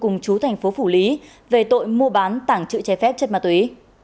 cùng chú thành phố phủ lý về tội mua bán tảng trự trái phép chất ma túy